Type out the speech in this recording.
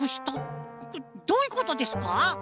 どういうことですか？